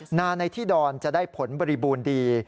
าในที่ดอนจะได้ผลบริบูรณ์ดี